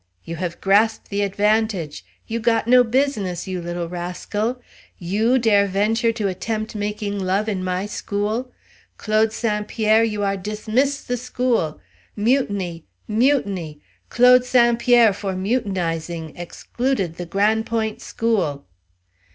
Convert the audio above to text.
You have grasp' the advantage! You got no business, you little rascal! You dare venture to attempt making love in my school! Claude St. Pierre, you are dismiss' the school! Mutiny! mutiny! Claude St. Pierre, for mutinizing, excluded the Gran' Point' school."